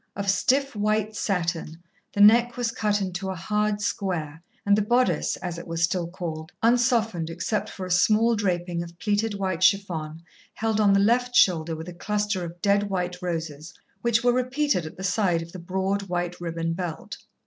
Of stiff white satin, the neck was cut into a hard square, and the bodice, as it was still called, unsoftened except for a small draping of pleated white chiffon held on the left shoulder with a cluster of dead white roses, which were repeated at the side of the broad, white ribbon belt.